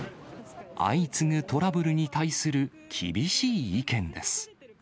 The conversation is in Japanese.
相次ぐトラブルに対する厳しい意見です。